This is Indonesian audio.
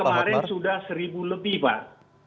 kemarin sudah seribu lebih pak